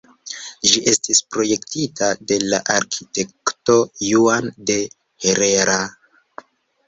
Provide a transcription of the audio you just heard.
Ĝi estis projektita de la arkitekto Juan de Herrera.